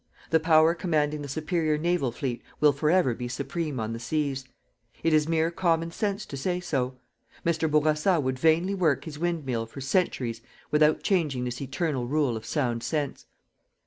The Power commanding the superior naval fleet will for ever be supreme on the seas. It is mere common sense to say so. Mr. Bourassa would vainly work his wind mill for centuries without changing this eternal rule of sound sense.